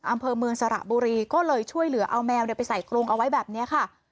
อำเภอเมืองสระบุรีก็เลยช่วยเหลือเอาแมวไปใส่กรงเอาไว้แบบนี้ค่ะ